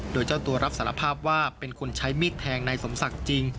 โดยเจ้าตัวรับสารภาพว่าเป็นคนใช้มีดแทงนายสมศักดิ์จริง